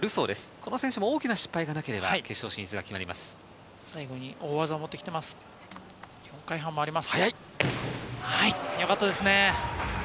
この選手も大きな失敗がなければ決勝進出が決まります。